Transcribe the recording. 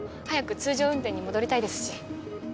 早く通常運転に戻りたいですし。